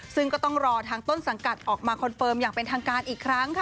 ซึ่งก็ต้องรอทางต้นสังกัดออกมาคอนเฟิร์มอย่างเป็นทางการอีกครั้งค่ะ